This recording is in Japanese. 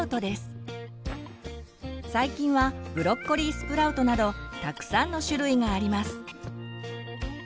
最近はブロッコリースプラウトなどたくさんの種類があります。